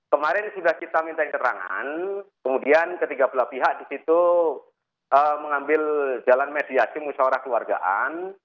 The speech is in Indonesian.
kemarin sudah kita minta keterangan kemudian ketiga belah pihak di situ mengambil jalan mediasi musyawarah keluargaan